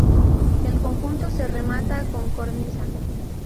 El conjunto se remata con cornisa.